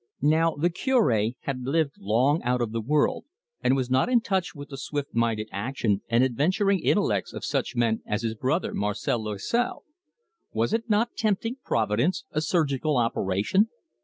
Now the Cure had lived long out of the world, and was not in touch with the swift minded action and adventuring intellects of such men as his brother, Marcel Loisel. Was it not tempting Providence, a surgical operation?